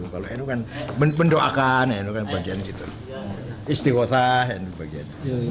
kalau nu kan mendoakan istiqosah dan sebagainya